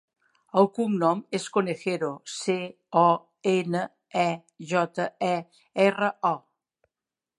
El cognom és Conejero: ce, o, ena, e, jota, e, erra, o.